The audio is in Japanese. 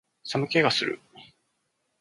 寒気がする